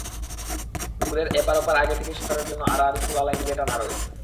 পুকুরের এপার-ওপার আগে থেকেই সাঁতারের জন্য আড়াআড়ি শোলা দিয়ে লাইন টানা রয়েছে।